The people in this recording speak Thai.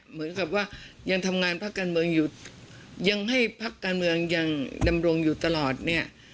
เหมือนกับว่ายังทำงานพักการเมืองอยู่ยังให้พักการเมืองยังดำรงอยู่ตลอดเนี่ย